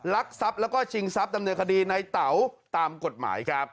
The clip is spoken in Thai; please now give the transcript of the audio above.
ลักทรัพย์แล้วก็ชิงทรัพย์ดำเนินคดีในเต๋าตามกฎหมายครับ